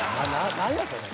何やそれ。